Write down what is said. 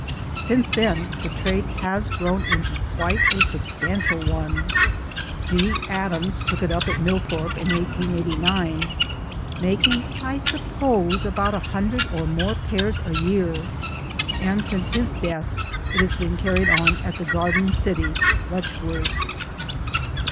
Since then the trade has grown into quite a substantial one. G. Adam's took it up at Millthorpe in 1889 ; making, I suppose, about a hundred or more pairs a year ; and since his death it has been carried on at the Garden City, Letchworth'.